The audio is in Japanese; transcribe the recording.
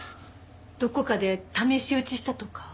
どこかで試し撃ちしたとか？